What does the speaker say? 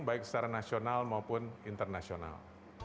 baik secara nasional maupun internasional